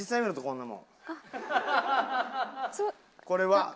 これは。